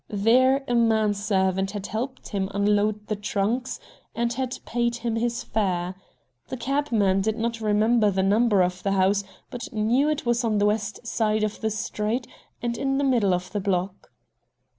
There a man servant had helped him unload the trunks and had paid him his fare. The cabman did not remember the number of the house, but knew it was on the west side of the street and in the middle of the block.